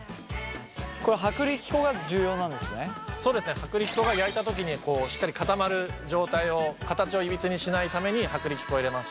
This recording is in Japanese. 薄力粉が焼いた時にしっかり固まる状態を形をいびつにしないために薄力粉を入れます。